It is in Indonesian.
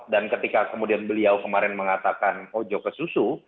dan ketika kemudian beliau kemarin mengatakan ojo ke susu